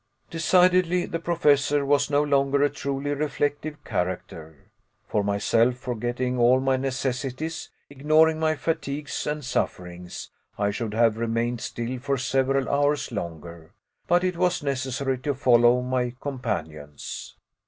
Decidedly the Professor was no longer a truly reflective character. For myself, forgetting all my necessities, ignoring my fatigues and sufferings, I should have remained still for several hours longer but it was necessary to follow my companions.